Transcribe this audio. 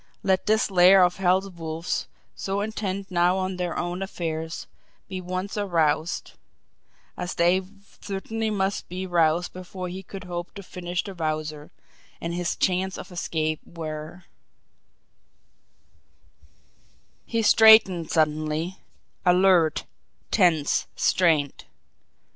Let this lair of hell's wolves, so intent now on their own affairs, be once roused, as they certainly must be roused before he could hope to finish the Wowzer, and his chances of escape were He straightened suddenly, alert, tense, strained.